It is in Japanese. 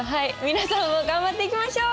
皆さんも頑張っていきましょう！